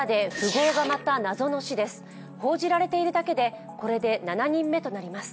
報じられているだけで、これで７人目となります。